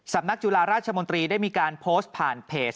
สำนักจุฬาราชมนตรีได้มีการโพสต์ผ่านเพจ